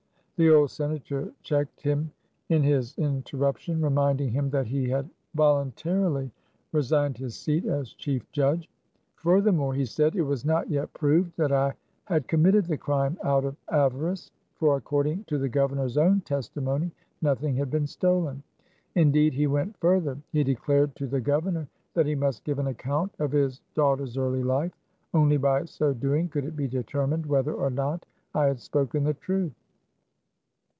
" The old senator checked him in his interruption, reminding him that he had voluntarily resigned his seat as chief judge. Furthermore, he said, it was not yet proved that I had committed the crime out of avarice ; for, according to the governor's own testimony, nothing had been stolen. Indeed, he went fur ther. He declared to the governor that he must give an account of his daughter's early life. Only by so doing could it be determined whether or not I had spoken the truth.